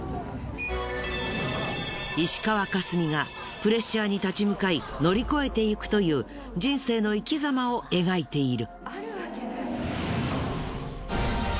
石川佳純がプレッシャーに立ち向かい乗り越えていくという人生の生き様を描いている。